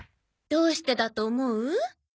どうしてだと思う？